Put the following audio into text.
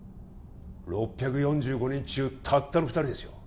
６４５人中たったの２人ですよ